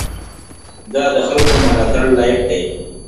دا د خلکو ملاتړ لایق دی.